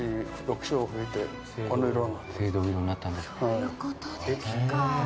そういうことですか。